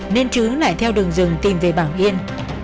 nên chứ lại theo đường rừng tìm về bảo yên